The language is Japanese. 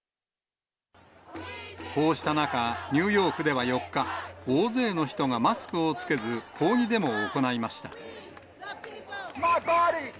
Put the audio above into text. こうした中、ニューヨークでは４日、大勢の人がマスクを着けず、抗議デモを行いました。